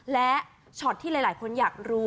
และช็อตที่หลายคนอยากรู้